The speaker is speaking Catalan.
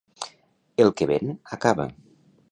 El que ven acaba.